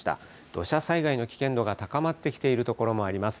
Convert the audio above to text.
土砂災害の危険度が高まってきている所もあります。